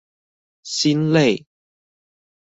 心累